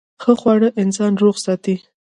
ښه خواړه انسان روغ ساتي.